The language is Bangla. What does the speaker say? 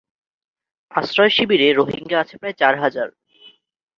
আশ্রয়শিবিরে রোহিঙ্গা আছে প্রায় চার হাজার।